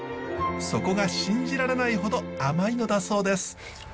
そこが信じられないほど甘いのだそうです。